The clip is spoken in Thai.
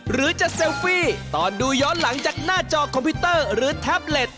หรือจะเซลฟี่ตอนดูย้อนหลังจากหน้าจอคอมพิวเตอร์หรือแท็บเล็ต